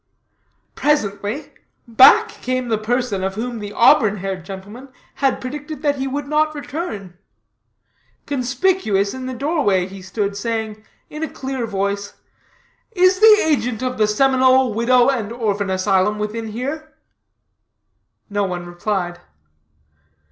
Presently, back came the person of whom the auburn haired gentleman had predicted that he would not return. Conspicuous in the door way he stood, saying, in a clear voice, "Is the agent of the Seminole Widow and Orphan Asylum within here?" No one replied.